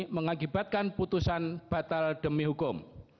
dan mengakibatkan putusan batal demi hukum